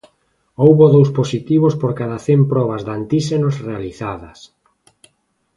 Houbo dous positivos por cada cen probas de antíxenos realizadas.